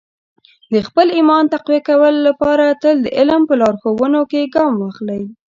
د خپل ایمان تقویه کولو لپاره تل د علم په لارښوونو کې ګام واخلئ.